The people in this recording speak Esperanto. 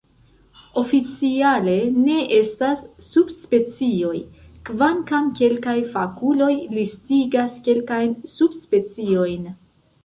Oficiale, ne estas subspecioj, kvankam kelkaj fakuloj listigas kelkajn subspeciojn.